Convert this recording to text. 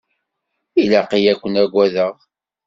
Ilaq-iyi ad ken-agadeɣ?